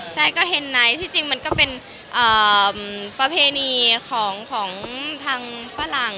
ใช่ก็เห็นไนท์ที่จริงมันก็เป็นประเพณีของทางฝรั่ง